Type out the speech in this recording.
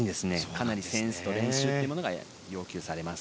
かなりセンスと練習が要求されます。